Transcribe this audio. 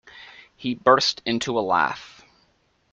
He burst into a laugh.